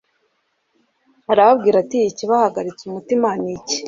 Arababwira ati : ikibahagaritse umutima ni iki?